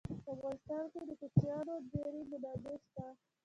په افغانستان کې د کوچیانو ډېرې منابع شته.